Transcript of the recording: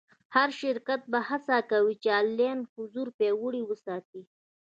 هر شرکت به هڅه کوي چې آنلاین حضور پیاوړی وساتي.